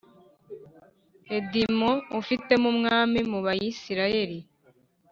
Edomu afitemo umwami mu Bisirayeli .